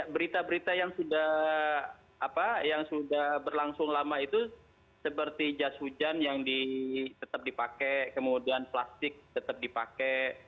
berita berita yang sudah berlangsung lama itu seperti jas hujan yang tetap dipakai kemudian plastik tetap dipakai